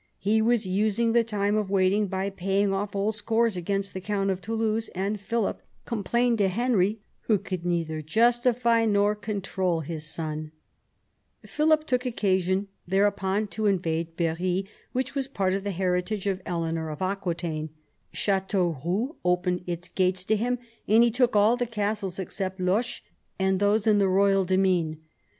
He was using the time of waiting by paying off old scores against the count of Toulouse, and Philip complained to Henry, who could neither justify nor control his son. Philip took occasion thereupon to in vade Berry, which was part of the heritage of Eleanor of ii THE BEGINNINGS OF PHILIP'S POWER 41 Aquitaine. Chateauroux opened its gates to him, and he took all the castles except Loches and those in the royal demesne.